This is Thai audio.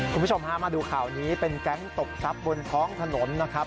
คุณผู้ชมพามาดูข่าวนี้เป็นแก๊งตบทรัพย์บนท้องถนนนะครับ